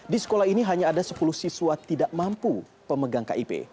di sekolah ini hanya ada sepuluh siswa tidak mampu pemegang kip